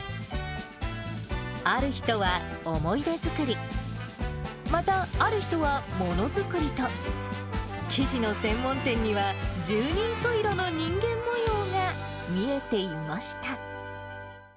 ある人は思い出作り、またある人はものづくりと、生地の専門店には十人十色の人間もようが見えていました。